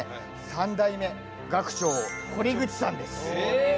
３代目学長堀口さんです。